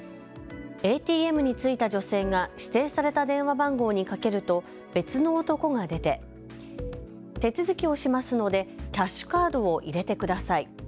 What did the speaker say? ＡＴＭに着いた女性が指定された電話番号にかけると別の男が出て手続きをしますのでキャッシュカードを入れてください。